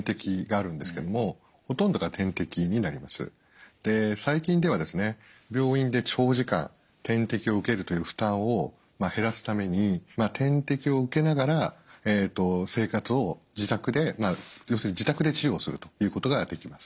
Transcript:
薬の種類には最近では病院で長時間点滴を受けるという負担を減らすために点滴を受けながら生活を自宅で要するに自宅で治療をするということができます。